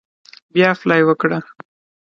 بیا اپلای وکړه.